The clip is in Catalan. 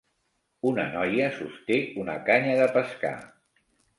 Una noia sosté una canya de pescar.